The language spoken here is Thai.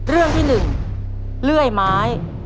เรื่องที่๑เลื่อยไม้